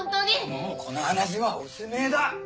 もうこの話はおしめえだ。